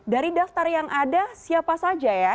dari daftar yang ada siapa saja ya